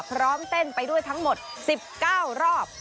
พร้อมเต้นไปด้วยทั้งหมด๑๙รอบ